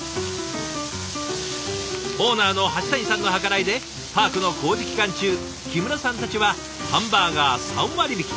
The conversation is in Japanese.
オーナーの橋谷さんの計らいでパークの工事期間中木村さんたちはハンバーガー３割引き。